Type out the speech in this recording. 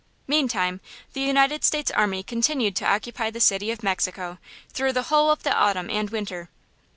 Meantime, the United States army continued to occupy the City of Mexico, through the whole of the autumn and winter.